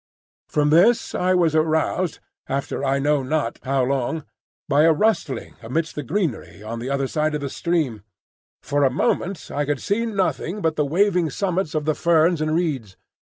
From this I was aroused, after I know not how long, by a rustling amidst the greenery on the other side of the stream. For a moment I could see nothing but the waving summits of the ferns and reeds.